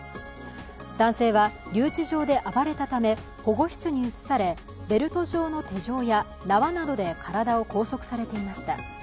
男性は留置場で暴れたため保護室に移され、ベルト状の手錠や縄などで体を拘束されていました。